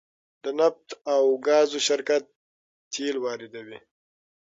د نفت او ګاز شرکت تیل واردوي